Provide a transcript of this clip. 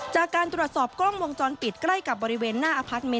จากการตรวจสอบกล้องวงจรปิดใกล้กับบริเวณหน้าอพาร์ทเมน